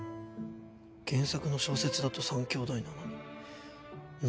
原作の小説だと３兄弟なのに何でだろう。